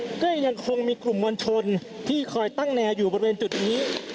ด้านขวามือก็ยังคงมีกลุ่มวัญชนที่คอยตั้งแนวอยู่บริเวณจุดนี้